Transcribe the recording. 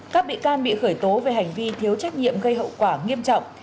các bị can bị khởi tố về hành vi thiếu trách nhiệm gây hậu quả nghiêm trọng